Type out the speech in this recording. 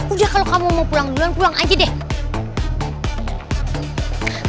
udah kalau kamu mau pulang duluan pulang aja deh